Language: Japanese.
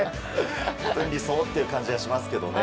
本当に理想という感じがしますけどね。